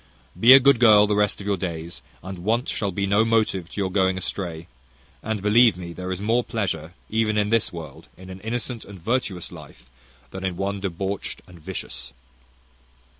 Be a good girl the rest of your days, and want shall be no motive to your going astray; and, believe me, there is more pleasure, even in this world, in an innocent and virtuous life, than in one debauched and vicious.